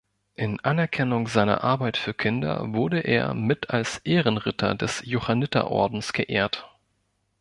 In Anerkennung seiner Arbeit für Kinder wurde er mit als Ehrenritter des Johanniterordens geehrt.